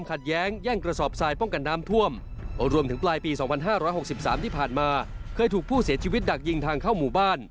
เคยถูกผู้เสียชีวิตดักยิงทางเข้าหมู่บ้าน